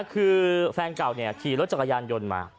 คือแฟนเก่าขี่รถจักรยานยนต์มา